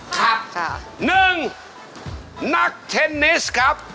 ครับค่ะหนึ่งนักเทนนิสครับ